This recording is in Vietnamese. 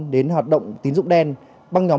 đến hoạt động tín dụng đen băng nhóm